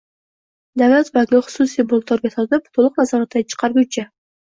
Davlat bankni xususiy mulkdorga sotib, to'liq nazoratdan chiqarguncha